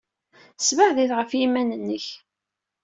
Ssebɛed-itt ɣef yiman-nnek!